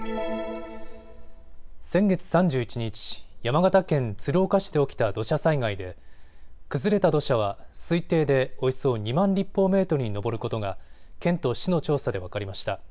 先月３１日、山形県鶴岡市で起きた土砂災害で崩れた土砂は推定でおよそ２万立方メートルに上ることが県と市の調査で分かりました。